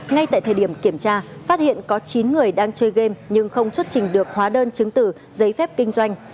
ngay tại thời điểm kiểm tra phát hiện có chín người đang chơi game nhưng không xuất trình được hóa đơn chứng tử giấy phép kinh doanh